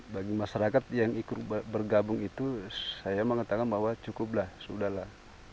bagi masyarakat yang ikut bergabung itu saya mengatakan bahwa cukuplah sudah lah